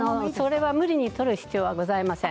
無理に取る必要はありません。